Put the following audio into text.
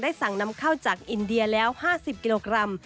สั่งนำเข้าจากอินเดียแล้ว๕๐กิโลกรัม